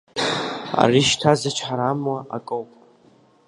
Ари шьҭа зычҳара амуа акоуп!